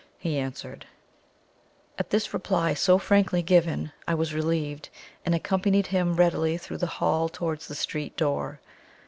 he answered. At this reply, so frankly given, I was relieved, and accompanied him readily through the hall towards the street door.